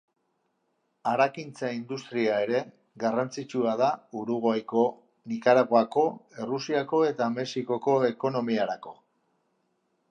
Harakintza-industria ere garrantzitsua da Uruguaiko, Nikaraguako, Errusiako eta Mexikoko ekonomiarako.